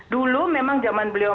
dulu memang zaman beliau